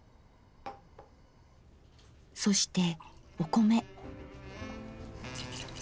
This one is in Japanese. そしてお米。